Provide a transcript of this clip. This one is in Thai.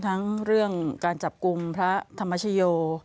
ทั้งเรื่องการจับกลุ่มพระธรรมชโย